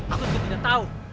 aku juga tidak tahu